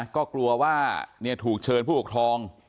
ก็กลัวว่าถูกเชิญผู้ปกครอง